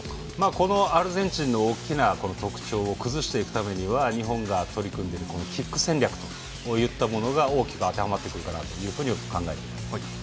このアルゼンチンの大きな特徴を崩していくためには日本が取り組んでいるキック戦略というものが大きく当てはまってくるかなと考えています。